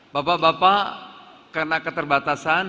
bapak bapak karena keterbatasan